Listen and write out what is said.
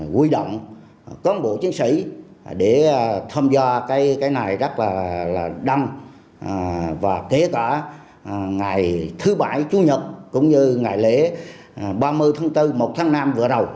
quy động có một bộ chiến sĩ để tham gia cái này rất là đâm và kể cả ngày thứ bảy chú nhật cũng như ngày lễ ba mươi tháng bốn một tháng năm vừa đầu